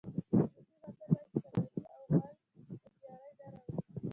انګلیسي متل وایي شتمني او غلا هوښیاري نه راوړي.